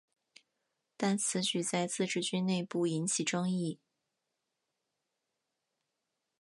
但此举在自治军内部引起争议。